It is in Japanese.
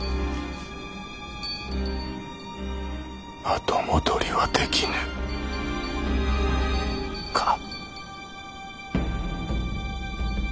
「後戻りはできぬ」か。